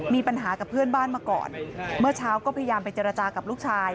มีปัญหากับเพื่อนบ้านมาก่อนเมื่อเช้าก็พยายามไปเจรจากับลูกชาย